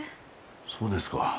そうですか。